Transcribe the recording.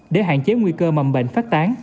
để hạn chế nguy cơ mầm bệnh phát tán